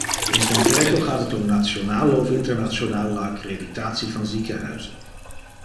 In concreto gaat het om nationale of internationale accreditatie van ziekenhuizen.